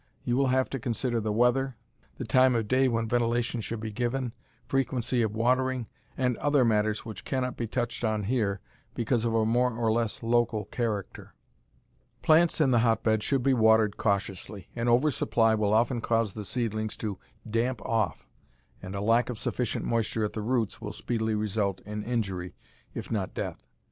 You will have to consider the weather, the time of day when ventilation should be given, frequency of watering, and other matters which cannot be touched on here because of a more or less local character. Plants in the hotbed should be watered cautiously. An over supply will often cause the seedlings to "damp off," and a lack of sufficient moisture at the roots will speedily result in injury, if not death.